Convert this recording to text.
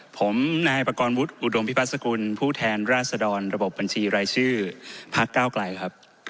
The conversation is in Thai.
ผมนายประกอบวุฒิอุดมพิพัฒกุลผู้แทนราชดรระบบบัญชีรายชื่อพักเก้าไกลครับ